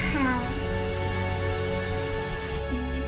kebaikannya terwujud dalam segala hal